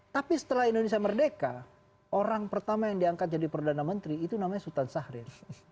tapi setelah indonesia merdeka orang pertama yang diangkat jadi perdana menteri itu namanya sultan sahrir